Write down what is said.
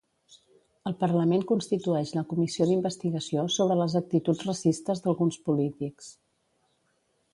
El Parlament constitueix la comissió d'investigació sobre les actituds racistes d'alguns polítics.